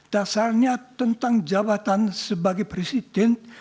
dasarnya tentang jabatan sebagai presiden